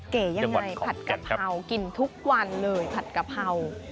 เก๋ยังไงผัดกะเพรากินทุกวันเลยผัดกะเพรา